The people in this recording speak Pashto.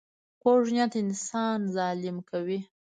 کوږ نیت انسان ظالم کوي